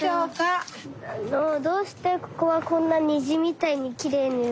どうしてここはこんなにじみたいにきれいに？